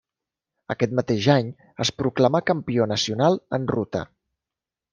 Aquest mateix any es proclamà campió nacional en ruta.